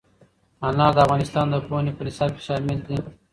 انار د افغانستان د پوهنې په نصاب کې شامل دي.